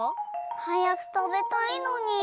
はやくたべたいのに！